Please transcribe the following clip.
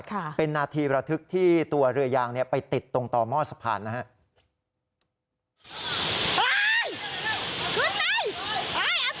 ค่ะเป็นนาทีระทึกที่ตัวเรือยางเนี่ยไปติดตรงต่อหม้อสะพานนะครับ